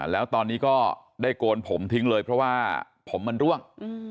แล้วตอนนี้ก็ได้โกนผมทิ้งเลยเพราะว่าผมมันร่วง